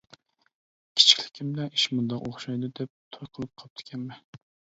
كىچىكلىكىمدە ئىش مۇشۇنداق ئوخشايدۇ دەپ توي قىلىپ قاپتىكەنمەن.